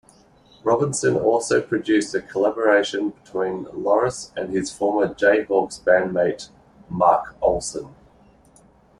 Robinson also produced a collaboration between Louris and his former Jayhawks bandmate Mark Olson.